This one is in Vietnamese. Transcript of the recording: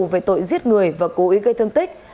về tội giết người và cố ý gây thương tích